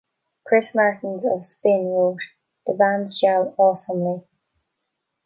Chris Martins of "Spin" wrote, "...the bands gel awesomely.